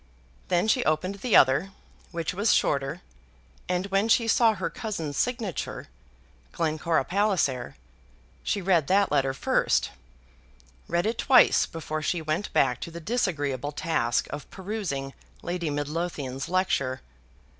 Then she opened the other, which was shorter, and when she saw her cousin's signature, "Glencora Palliser," she read that letter first, read it twice before she went back to the disagreeable task of perusing Lady Midlothian's lecture.